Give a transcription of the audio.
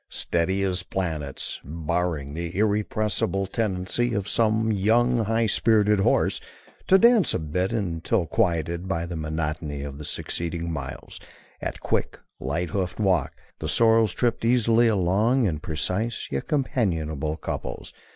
"Steady as planets," barring the irrepressible tendency of some young, high spirited horse to dance a bit until quieted by the monotony of the succeeding miles, at quick, light hoofed walk, the sorrels tripped easily along in precise, yet companionable couples.